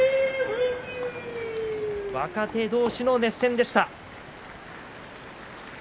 若手同士の熱戦でした。